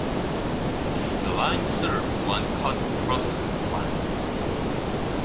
The line serves one cotton processing plant.